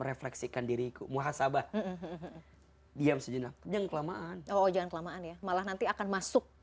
refleksikan diriku muhasabah diam sejenak jangan kelamaan oh jangan kelamaan ya malah nanti akan masuk